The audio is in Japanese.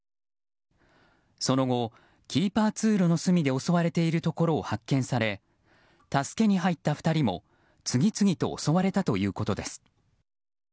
その後、キーパー通路の隅で襲われているところを発見され助けに入った２人も次々と襲われたということです。